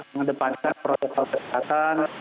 mengedepankan protokol kesehatan